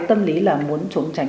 tâm lý là muốn trốn tránh